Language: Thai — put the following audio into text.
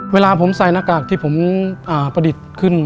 เวลาผมใส่หน้ากากที่ผมประดิษฐ์ขึ้น